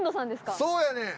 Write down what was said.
そうやねん！